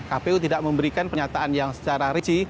kpu tidak memberikan pernyataan yang secara ricik